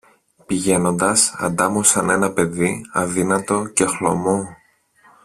Πηγαίνοντας αντάμωσαν ένα παιδί αδύνατο και χλωμό